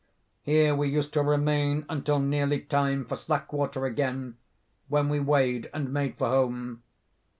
Here we used to remain until nearly time for slack water again, when we weighed and made for home.